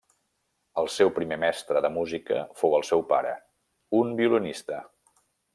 El seu primer mestre de música fou el seu pare, un violinista.